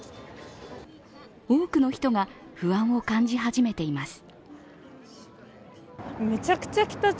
多くの人が不安を感じ始めています。